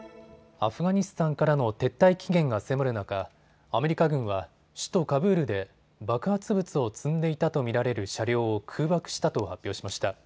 アフガニスタンからの撤退期限が迫る中、アメリカ軍は首都カブールで爆発物を積んでいたと見られる車両を空爆したと発表しました。